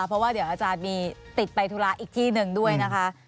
เพราะว่าเดี๋ยวอาจารย์มีติดไปธุระอีกที่หนึ่งด้วยนะคะ